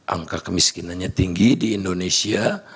angka kemiskinannya tinggi di indonesia